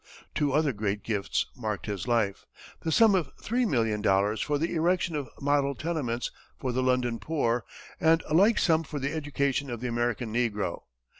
Two other great gifts marked his life the sum of three million dollars for the erection of model tenements for the London poor, and a like sum for the education of the American negro.